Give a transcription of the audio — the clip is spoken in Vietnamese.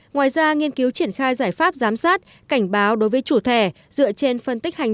ngoài ra nghiên cứu triển khai giải pháp giám sát cảnh báo đối với chủ thẻ dựa trên phân tích hành